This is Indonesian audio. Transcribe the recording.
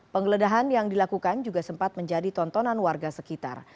penggeledahan yang dilakukan juga sempat menjadi tontonan warga sekitar